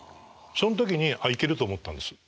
そん時に「あいける」と思ったんです。